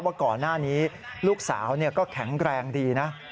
ว่าก่อนหน้านี้ลูกสาวก็แข็งแรงดีนะ